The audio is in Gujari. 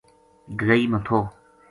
گگئی ما تھو